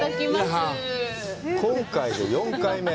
今回で４回目。